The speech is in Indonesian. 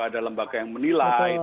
ada lembaga yang menilai